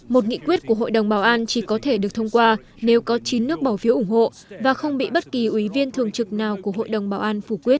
một nghị quyết của hội đồng bảo an chỉ có thể được thông qua nếu có chín nước bảo phiếu ủng hộ và không bị bất kỳ ủy viên thường trực nào của hội đồng bảo an phủ quyết